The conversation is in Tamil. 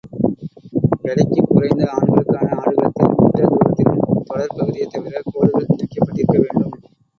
எடைக்குக் குறைந்த ஆண்களுக்கான ஆடுகளத்தில் மீட்டர் தூரத்திலும், தொடர்ப் பகுதியைத் தவிர, கோடுகள் கிழிக்கப்பட்டிருக்க வேண்டும்.